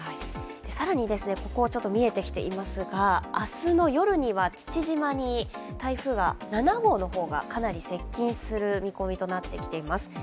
更に、ここにちょっと見えてきていますが、明日の夜には父島に台風７号がかなり接近する見込みとなってきています。